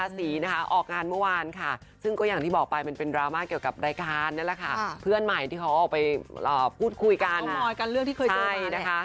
ที่ฮอออกไปอ่าพูดคุยกันค่ะทำว่าค่ะเมื่อวานนี้